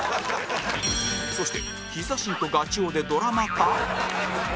そしてヒザ神とガチ王でドラマ化？